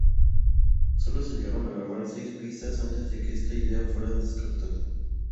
Sólo se llegaron a grabar seis pistas antes de que esta idea fuera descartada.